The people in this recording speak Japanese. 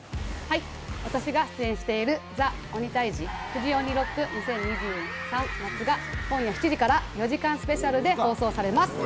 私が出演している「ＴＨＥ鬼タイジフジ鬼ロック２０２３夏」が今夜７時から４時間スペシャルで放送されます。